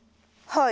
はい。